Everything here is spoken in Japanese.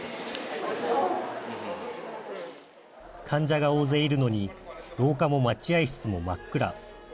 患者が大勢いるのに廊下も待合室も真っ暗。